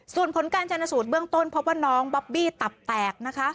ส่วนผลการชนสูตรเบื้องต้นพบว่าน้องบอบบี้ตับแตกนะคะ